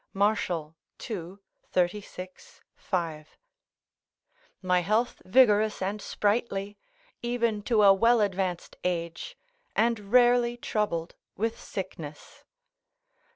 Martial, ii. 36, 5.] my health vigorous and sprightly, even to a well advanced age, and rarely troubled with sickness.